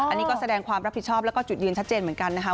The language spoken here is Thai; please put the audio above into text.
อันนี้ก็แสดงความรับผิดชอบแล้วก็จุดยืนชัดเจนเหมือนกันนะคะ